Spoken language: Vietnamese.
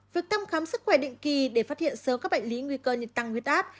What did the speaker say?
việc thăm khám sức khỏe định kỳ để phát hiện sớm các bệnh lý nguy cơ như tăng huyết áp